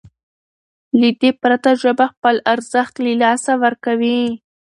له دې پرته ژبه خپل ارزښت له لاسه ورکوي.